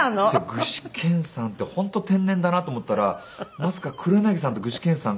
具志堅さんって本当天然だなと思ったらまさか黒柳さんと具志堅さん